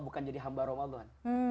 bukan jadi hamba ramadan